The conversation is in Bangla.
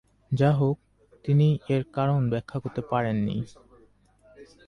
যাহোক, তিনি এর কারণ ব্যাখ্যা করতে পারেন নি।